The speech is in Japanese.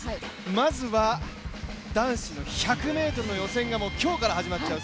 まずは男子の１００ｍの予選が今日から始まっちゃう。